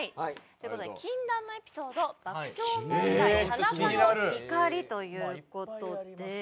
という事で「禁断のエピソード爆笑問題田中の怒り」という事で。